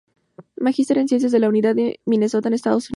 Magister en Ciencias de la Universidad de Minnesota en Estados Unidos.